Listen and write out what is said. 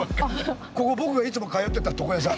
ここ僕がいつも通ってた床屋さん。